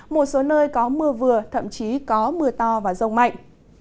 một số nơi có mưa vừa thậm chí có mưa to và rông mạnh